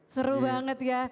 seru banget ya